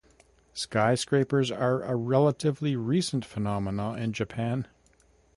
Skyscrapers are a relatively recent phenomenon in Japan.